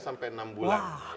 biasanya sampai enam bulan